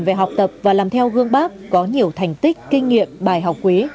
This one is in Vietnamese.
về học tập và làm theo gương bác có nhiều thành tích kinh nghiệm bài học quý